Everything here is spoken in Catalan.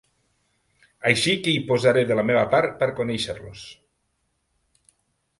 Així que hi posaré de la meva part per conèixer-los.